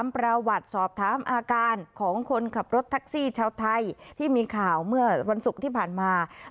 ปรากฏที่ชาวไทยที่มีข่าวเมื่อวันสุขที่ผ่านมา